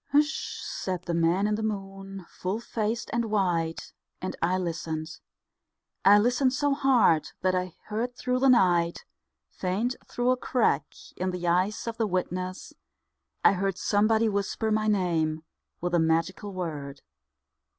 "H'shh," said the man in the moon, Full faced and white, And I listened, I listened so hard that I heard through the night, Faint through a crack In the ice of the whiteness, I heard Somebody whisper my name With a magical word.